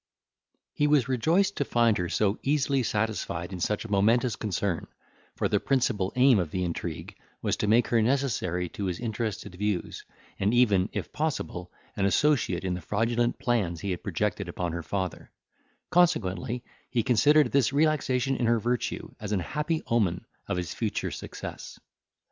He was rejoiced to find her so easily satisfied in such a momentous concern, for the principal aim of the intrigue was to make her necessary to his interested views, and even, if possible, an associate in the fraudulent plans he had projected upon her father; consequently he considered this relaxation in her virtue as an happy omen of his future success.